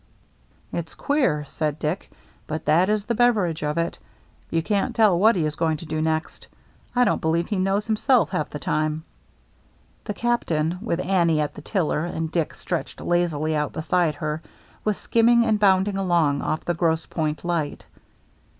"It's queer," said Dick, "but that is the Beveridge of it. You can't tell what he is going to do next. I don't believe he knows himself half the time." The Captaitiy with Annie at the tiller and Dick stretched lazily out beside her, was skim ming and bounding along off the Grosse Pointc light.